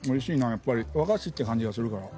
やっぱり和菓子って感じがするから。